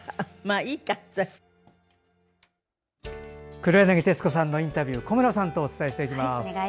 黒柳徹子さんのインタビューを小村さんとお伝えしていきます。